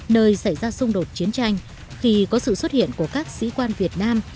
nơi xảy ra xung đột chiến tranh khi có sự xuất hiện của các sĩ quan việt nam